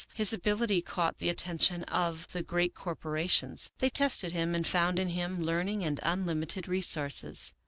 His ability caught the attention of the great corporations. They tested him and found in him learning and unlimited resources.